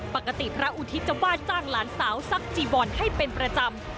พระอุทิศจะว่าจ้างหลานสาวซักจีวอนให้เป็นประจำ